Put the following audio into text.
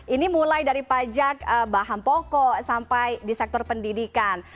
ini mulai dari pajak bahan pokok sampai di sektor pendidikan